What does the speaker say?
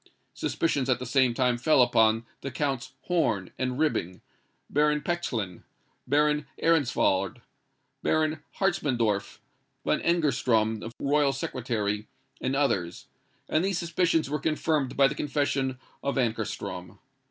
Suspicions at the same time fell on the Counts Horn and Ribbing, Baron Pechlin, Baron Ehrensvard, Baron Hartsmandorf, Von Engerstrom the Royal Secretary, and others; and these suspicions were confirmed by the confession of Ankarstrom.